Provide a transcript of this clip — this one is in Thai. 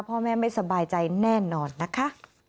พ่อแม่ไม่สบายใจแน่นอนนะคะ